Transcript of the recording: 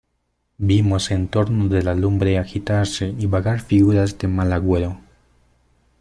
vimos en torno de la lumbre agitarse y vagar figuras de mal agüero: